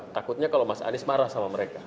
takutnya kalau mas anies marah sama mereka